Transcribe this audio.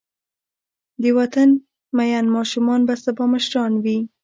د وطن مین ماشومان به سبا مشران وي.